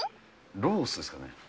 ロースですね。